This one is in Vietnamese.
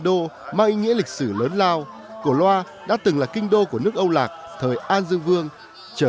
đô mang ý nghĩa lịch sử lớn lao cổ loa đã từng là kinh đô của nước âu lạc thời an dương vương trở